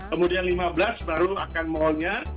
kemudian lima belas baru akan malnya